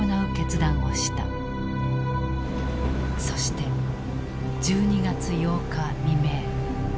そして１２月８日未明。